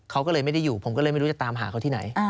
เขาก็เลยไม่ได้อยู่ผมก็เลยไม่รู้จะตามหาเขาที่ไหน